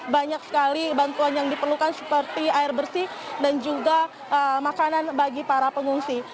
banyak sekali bantuan yang diperlukan seperti air bersih dan juga makanan bagi para pengungsi